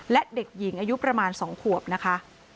และเด็กหญิงอายุประมาณ๒ขวบนะคะ